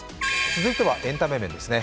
続いてはエンタメ面ですね。